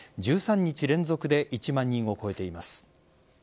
１３日連続で１万人を超えています。